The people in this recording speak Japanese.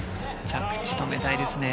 着地、止めたいですね。